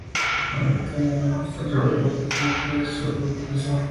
Cuando el terminó, se reveló que Triple H sólo lo utilizó.